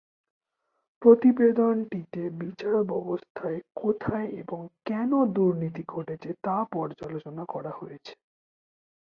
প্রতিবেদনটিতে বিচার ব্যবস্থায় কোথায় এবং কেন দুর্নীতি ঘটছে তা পর্যালোচনা করা হয়েছে।